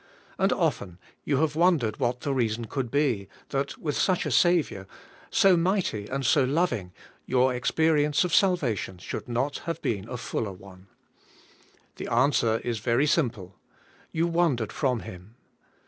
And often you have wondered what the 13 14 ABIDE IN CHRIST: reason could be, that with such a Saviour, so mighty and so loving, your experience of salvation should not have been a fuller one. The answer is very simple. You wandered from Him.